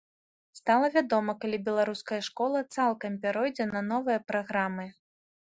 Стала вядома, калі беларуская школа цалкам пяройдзе на новыя праграмы.